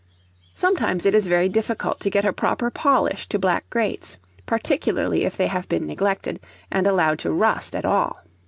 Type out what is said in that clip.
Sometimes it is very difficult to get a proper polish to black grates, particularly if they have been neglected, and allowed to rust at all.